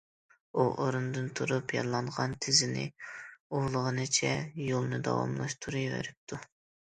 ئۇ ئورنىدىن تۇرۇپ يارىلانغان تىزىنى ئۇۋۇلىغىنىچە يولىنى داۋاملاشتۇرۇۋېرىپتۇ.